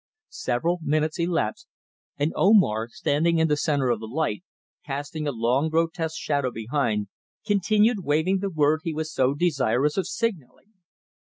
Several minutes elapsed, and Omar, standing in the centre of the light, casting a long grotesque shadow behind, continued waving the word he was so desirous of signalling.